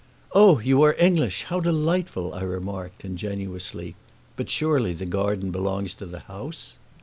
"Oh, you are English; how delightful!" I remarked, ingenuously. "But surely the garden belongs to the house?"